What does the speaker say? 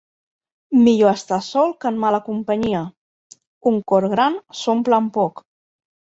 Millor estar sol que en mala companyia. Un cor gran s'omple amb poc.